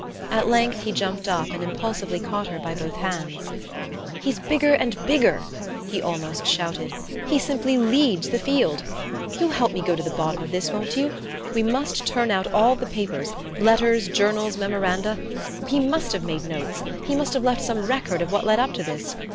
At length he jumped up and impulsively caught her by both hands. "He's bigger and bigger!" he almost shouted. "He simply leads the field! You'll help me go to the bottom of this, won't you? We must turn out all the papers letters, journals, memoranda. He must have made notes. He must have left some record of what led up to this.